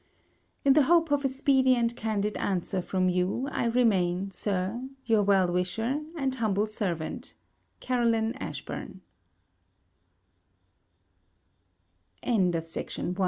In the hope of a speedy and candid answer from you, I remain, Sir, Your well wisher, And humble servant, CAROLINE ASHBURN LETTER II FROM SIBELL